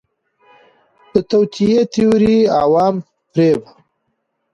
د توطئې تیوري، عوام فریب